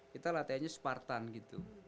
kita latihannya separtan gitu